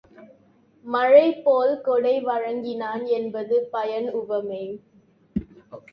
மழை போல் கொடை வழங்கினான் என்பது பயன் உவமை.